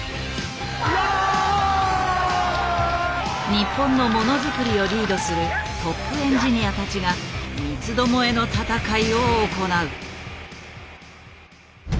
日本のものづくりをリードするトップエンジニアたちが三つどもえの戦いを行う。